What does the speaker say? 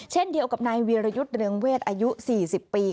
เช่นเดียวกับนายวีรยุทธ์เรืองเวทอายุ๔๐ปี